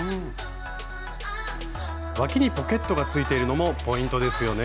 わきにポケットがついているのもポイントですよね。